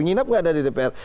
nginap nggak ada di dpr